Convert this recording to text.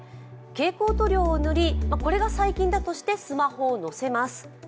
蛍光塗料を塗り、これが細菌だとしてスマホをのせます。